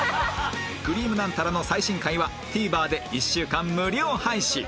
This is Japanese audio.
『くりぃむナンタラ』の最新回は ＴＶｅｒ で１週間無料配信